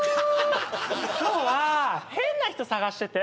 今日は変な人探してて。